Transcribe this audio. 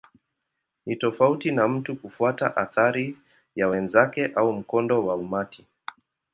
Ni tofauti na mtu kufuata athari ya wenzake au mkondo wa umati.